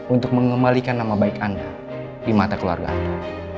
untuk mengembalikan nama baik anda di mata keluarga anda